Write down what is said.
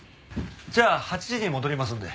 じゃあ８時に戻りますので。